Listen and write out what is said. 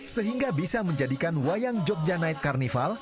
sehingga bisa menjadikan wayang jogja night carnival